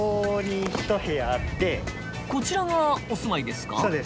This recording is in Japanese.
こちらがお住まいですか？